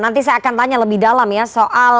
nanti saya akan tanya lebih dalam ya soal